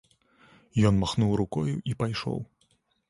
Ён махнуў рукою і пайшоў.